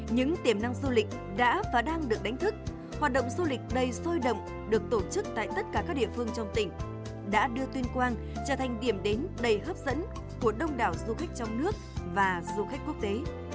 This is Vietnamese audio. những tiềm năng du lịch đã và đang được đánh thức hoạt động du lịch đầy sôi động được tổ chức tại tất cả các địa phương trong tỉnh đã đưa tuyên quang trở thành điểm đến đầy hấp dẫn của đông đảo du khách trong nước và du khách quốc tế